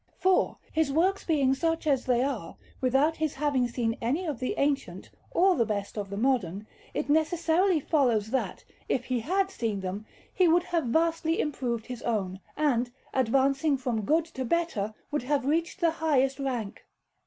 For, his works being such as they are without his having seen any of the ancient or the best of the modern, it necessarily follows that, if he had seen them, he would have vastly improved his own, and, advancing from good to better, would have reached the highest rank.